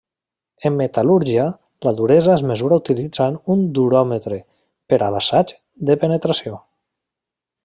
En metal·lúrgia la duresa es mesura utilitzant un duròmetre per a l'assaig de penetració.